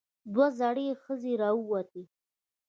دوه زړې ښځې راووتې.